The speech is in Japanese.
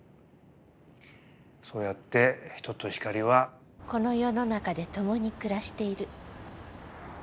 そうやって人と光は。この世の中で共に暮らしている。